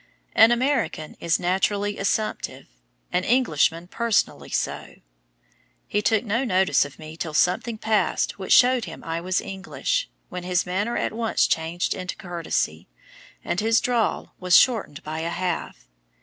An American is nationally assumptive, an Englishman personally so. He took no notice of me till something passed which showed him I was English, when his manner at once changed into courtesy, and his drawl was shortened by a half.